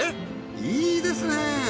いいですね！